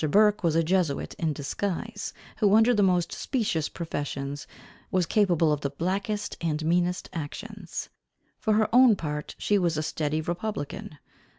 Burke was a Jesuit in disguise, who under the most specious professions, was capable of the blackest and meanest actions. For her own part she was a steady republican.